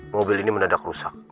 mobil ini mendadak rusak